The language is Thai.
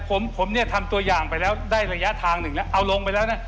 ผมผมเนี่ยทำตัวอย่างไปแล้วได้ระยะทางหนึ่งแล้วเอาลงไปแล้วนะ